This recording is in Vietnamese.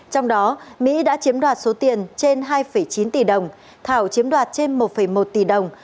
trong đó mỹ đã chiếm đoạt số tiền trên hai chín tỷ đồng thảo chiếm đoạt trên một một tỷ đồng